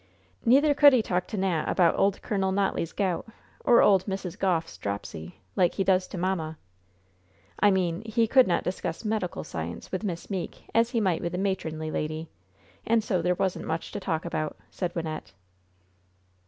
Neither could he talk to Nat about old Col. Notley's gout, or old Mrs. Gouph's dropsy, like he does to mamma I mean he could not discuss medical science with Miss Meeke as he might with a matronly lady. And so there wasn't much to talk about," said Wynnette.